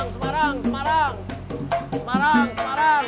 semarang semarang semarang